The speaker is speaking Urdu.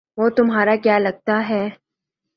وہ تمہارا کیا لگتا ہے